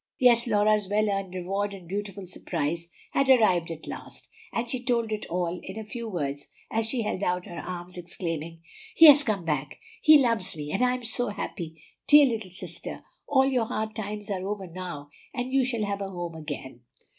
Yes, Laura's well earned reward and beautiful surprise had arrived at last; and she told it all in a few words as she held out her arms exclaiming, "He has come back! He loves me, and I am so happy! Dear little sister, all your hard times are over now, and you shall have a home again."